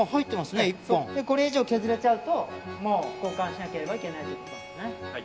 １本これ以上削れちゃうともう交換しなければいけないってことなんですね